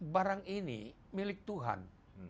barang ini milik tuhan